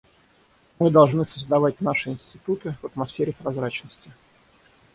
Мы должны создавать наши институты в атмосфере прозрачности.